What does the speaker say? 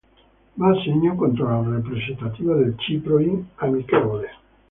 Va a segno contro la rappresentativa del Cipro in amichevole.